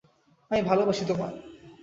আমি ভালোবাসি তোমায়।